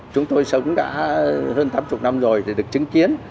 chúng tôi sống đã hơn tám mươi năm rồi thì được chứng kiến